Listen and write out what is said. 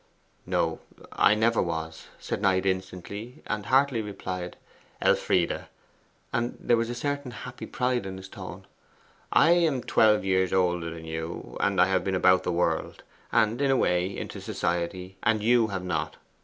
'No, I never was,' Knight instantly and heartily replied. 'Elfride' and there was a certain happy pride in his tone 'I am twelve years older than you, and I have been about the world, and, in a way, into society, and you have not.